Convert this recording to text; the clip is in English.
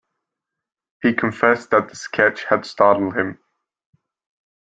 He confessed that the sketch had startled him.